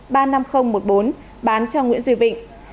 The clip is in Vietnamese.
bán cho nguyễn duy vịnh